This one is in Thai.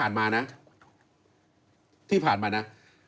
๑๗กลกฎาร้ามที่ผ่านมานะ